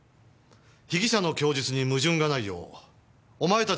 被疑者の供述に矛盾がないようお前たちがうまくまとめろ。